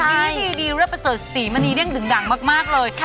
สำหรับมะม่วงเลยดีแล้วไปเสิร์ชสีมันนี้เรียงดึงดังมากเลย